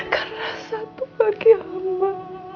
karena satu bagi hamba